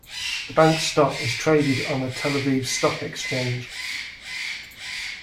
The bank's stock is traded on the Tel Aviv Stock Exchange.